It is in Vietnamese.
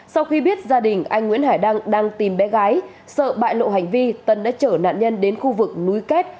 sau khi biết gia đình anh nguyễn hải đăng đang tìm bé gái sợ bại lộ hành vi tân đã chở nạn nhân đến khu vực núi kết